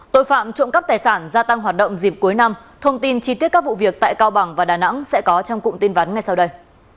tội phạm trộm cắp tài sản gia tăng hoạt động dịp cuối năm thông tin chi tiết các vụ việc tại cao bằng và đà nẵng sẽ có trong cụm tin vắn ngay sau đây